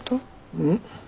うん。